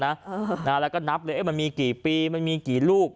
เน่าแล้วนับเลยมันมีกี่ปีมันมีกี่ลูก